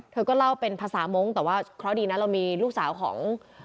เธอก็เล่าเป็นภาษามงค์แต่ว่าเคราะห์ดีนะเรามีลูกสาวของ